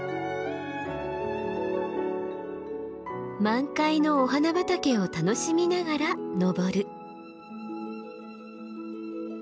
満開のお花畑を楽しみながら登る。